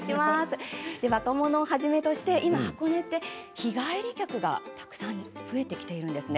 若者をはじめとして今箱根って日帰り客がたくさん増えてきているんです。